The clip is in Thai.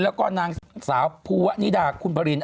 แล้วก็นางสาวภูวะนิดาคุณพระริน